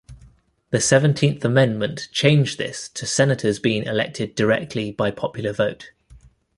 The Seventeenth Amendment changed this to senators being elected directly by popular vote.